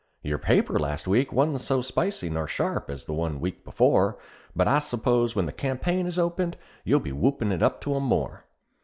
Your paper last week wa'n't so spicy nor sharp as the one week before: But I s'pose when the campaign is opened, you'll be whoopin' it up to 'em more.